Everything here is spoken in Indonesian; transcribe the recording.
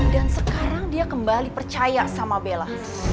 dan sekarang dia kembali percaya sama bella